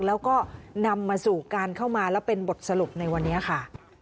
แล้วก็นำมาสู่การเข้ามาแล้วเป็นบทสรุปในวันนี้ค่ะ